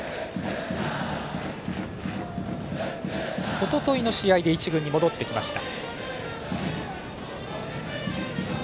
おとといの試合で１軍に戻ってきました。